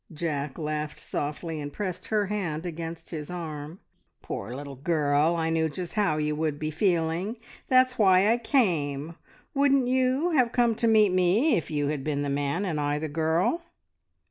Jack laughed softly, and pressed her hand against his arm. "Poor little girl! I knew just how you would be feeling; that's why I came. Wouldn't you have come to meet me, if you had been the man and I the girl?"